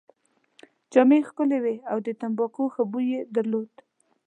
جامې يې ښکلې وې او د تمباکو ښه بوی يې درلود.